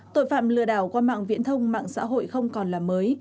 tội phạm lừa đảo qua mạng viễn thông mạng xã hội không còn là mới